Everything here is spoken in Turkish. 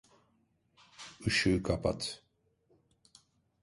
Işığı kapat.